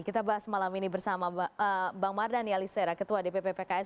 kita bahas malam ini bersama bang mardhani alisera ketua dpp pks